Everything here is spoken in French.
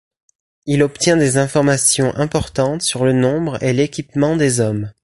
Il obtient des informations importantes sur le nombre et l'équipement des hommes.